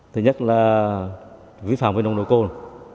thứ nhất là vi phạm với nồng độ cồn